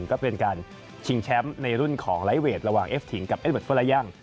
ก็เป็นการชิงแชมป์ในรุ่นของไลทเวทระหว่างเอฟทิงกับเอเวิร์ดเฟอร์ลายัง